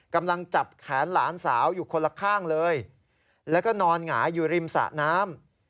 กำลังจับแขนหลานสาวอยู่คนละข้างเลยแล้วก็นอนหงายอยู่ริมสะน้ำ